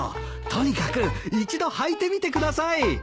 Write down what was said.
とにかく一度履いてみてください。